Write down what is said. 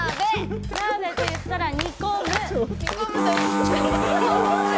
鍋といったら煮込む。